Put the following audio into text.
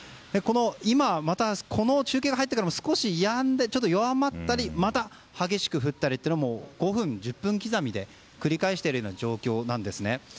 今また、この中継に入ってからも少し弱まったりまた激しく降ったりというのも５分、１０分刻みで繰り返しているような状況なんですね。